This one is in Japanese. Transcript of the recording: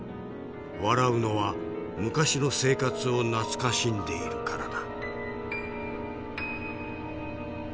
笑うのは昔の生活を懐かしんでいるからだ」。